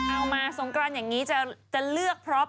เอามาสงกรานอย่างนี้จะเลือกพร้อม